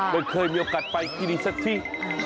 ไม่เคยมีโอกาสไปกินที่นี่สักที